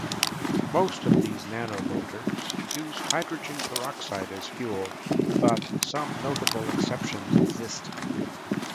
Most of these nanomotors use hygrogen peroxide as fuel, but some notable exceptions exist.